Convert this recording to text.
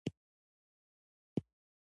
دوی په معیارونو کې پوښتنې پیدا کوي.